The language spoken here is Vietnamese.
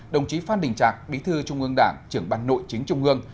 đồng chí phan đình trạc bí thư trung ương đảng trưởng ban nội chính trung ương